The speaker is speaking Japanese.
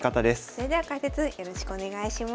それでは解説よろしくお願いします。